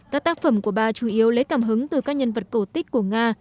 các tác phẩm của bà chủ yếu lấy cảm hứng từ các nhân vật cổ tích của nga